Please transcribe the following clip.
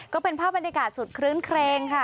ก็เป็นภาพบรรยากาศสุดคลื้นเครงค่ะ